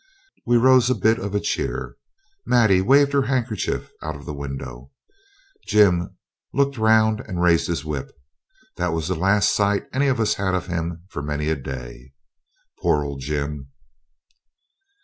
We rose a bit of a cheer. Maddie waved her handkerchief out of the window. Jim looked round and raised his whip. That was the last sight any of us had of him for many a day. Poor old Jim!